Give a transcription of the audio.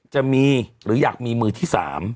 จะมีหรืออยากมีมือที่๓